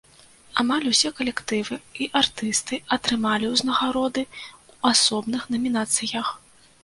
Амаль усе калектывы і артысты атрымалі ўзнагароды ў асобных намінацыях.